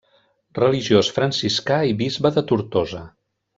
Religiós franciscà i bisbe de Tortosa.